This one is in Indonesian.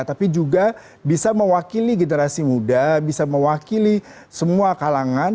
tapi juga bisa mewakili generasi muda bisa mewakili semua kalangan